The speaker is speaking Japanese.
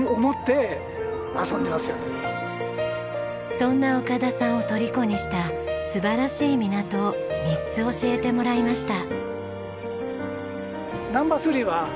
そんな岡田さんをとりこにした素晴らしい港を３つ教えてもらいました。